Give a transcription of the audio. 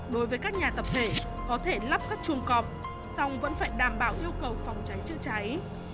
đối với các nhà tập thể có thể lắp các chuồng cọp song vẫn phải đảm bảo yêu cầu phòng cháy chữa cháy